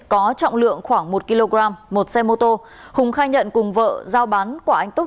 có trọng lượng khoảng một kg một xe mô tô hùng khai nhận cùng vợ giao bán quả anh túc